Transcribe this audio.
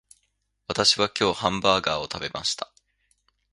私は今日ハンバーガーを食べました